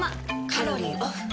カロリーオフ。